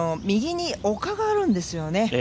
右に丘があるんですよね。